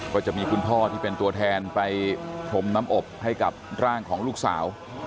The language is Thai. ก็จะมีคุณพ่อที่เป็นตัวแทนไปพรมน้ำอบให้กับร่างของลูกสาว